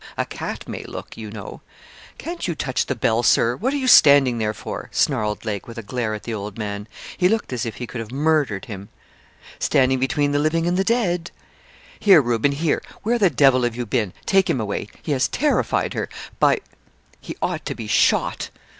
A cat may look, you know.' 'Can't you touch the bell, Sir? What are you standing there for?' snarled Lake, with a glare at the old man. He looked as if he could have murdered him. 'Standing between the living and the dead!' 'Here, Reuben, here; where the devil have you been take him away. He has terrified her. By he ought to be shot.'